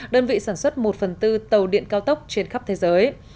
đơn vị sản xuất một phần tư tàu điện cao tốc trên khắp thế giới